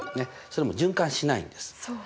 それも循環しないんです。